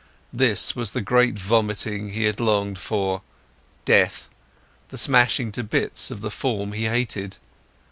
This was the great vomiting he had longed for: death, the smashing to bits of the form he hated!